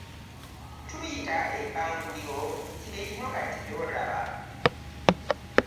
Kye tuyita ebbanguliro kye kino kati ky'olaba.